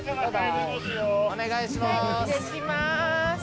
お願いします。